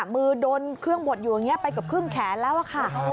มือโดนเครื่องบดอยู่อย่างนี้ไปเกือบครึ่งแขนแล้วค่ะ